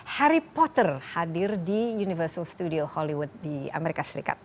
harry potter hadir di universal studio hollywood di amerika serikat